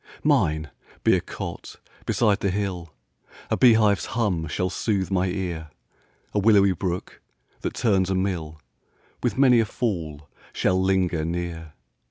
Mine be a cot beside the hill, A bee hive's hum shall sooth my ear; A willowy brook, that turns a mill, With many a fall shall linger near.